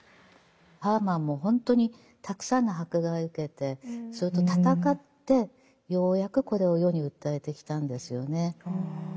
ハーマンもほんとにたくさんの迫害を受けてそれと闘ってようやくこれを世に訴えてきたんですよね。